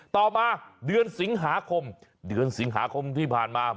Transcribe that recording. ต่อมาเดือนสิงหาคมเดือนสิงหาคมที่ผ่านมา